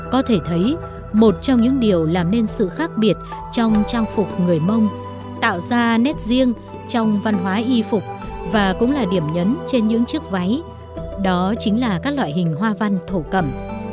có thể thấy một trong những điều làm nên sự khác biệt trong trang phục người mông tạo ra nét riêng trong văn hóa y phục và cũng là điểm nhấn trên những chiếc váy đó chính là các loại hình hoa văn thổ cẩm